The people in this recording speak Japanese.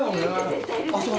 あそこ。